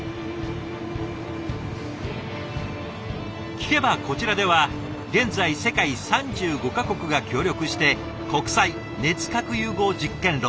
聞けばこちらでは現在世界３５か国が協力して国際熱核融合実験炉